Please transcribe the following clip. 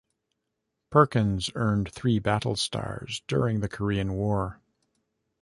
"Perkins" earned three battle stars during the Korean War.